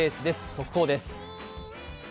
速報です。